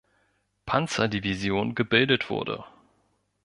Panzer-Division gebildet wurde.